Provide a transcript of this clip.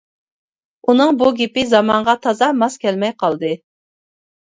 ئۇنىڭ بۇ گېپى زامانغا تازا ماس كەلمەي قالدى.